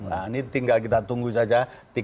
nah ini tinggal kita tunggu saja